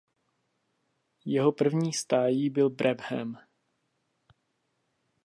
Jeho první stáji byl Brabham.